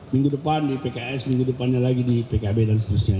minggu depan di pks minggu depannya lagi di pkb dan seterusnya